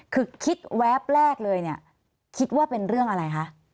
คือคิดแวบแรกเลยเนี่ยคิดว่าเป็นเรื่องอะไรคะ